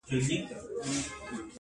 o ویل صاحبه زموږ خو ټول ابرو برباد سوه,